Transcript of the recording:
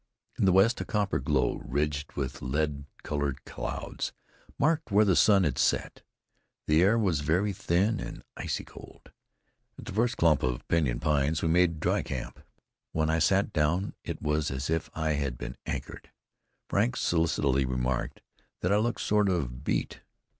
In the west a copper glow, ridged with lead colored clouds, marked where the sun had set. The air was very thin and icy cold. At the first clump of pinyon pines, we made dry camp. When I sat down it was as if I had been anchored. Frank solicitously remarked that I looked "sort of beat."